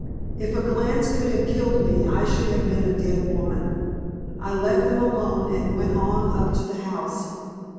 If a glance could have killed me, I should have been a dead woman. I left them alone and went on up to the house.